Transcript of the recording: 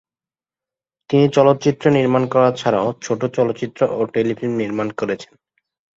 তিনি চলচ্চিত্র নির্মাণ করা ছাড়াও ছোট চলচ্চিত্র ও টেলিফিল্ম নির্মাণ করেছেন।